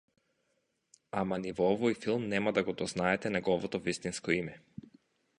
Ама ни во овој филм нема да го дознаете неговото вистинско име.